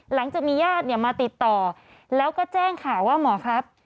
หลังจากมีญาติเนี่ยมาติดต่อแล้วก็แจ้งข่าวว่าหมอครับ